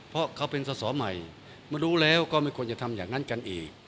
เพราะเขาเป็นสอสอใหม่มารู้แล้วก็ไม่ควรจะทำอย่างนั้นกันอีก